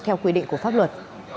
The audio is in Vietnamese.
theo quy định của pháp luật